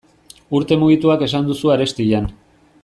Urte mugituak esan duzu arestian.